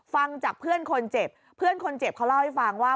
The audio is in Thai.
ฟังจากเพื่อนคนเจ็บเพื่อนคนเจ็บเขาเล่าให้ฟังว่า